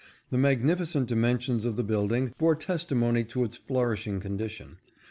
The magnificent dimensions of the build ing bore testimony to its flourishing condition.